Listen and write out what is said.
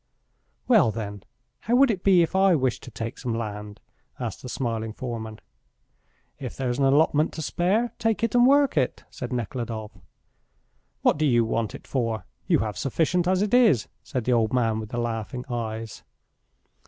"Well, then, how would it be if I wished to take some land?" asked the smiling foreman. "If there is an allotment to spare, take it and work it," said Nekhludoff. "What do you want it for? You have sufficient as it is," said the old man with the laughing eyes.